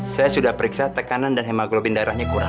saya sudah periksa tekanan dan hemaglobin darahnya kurang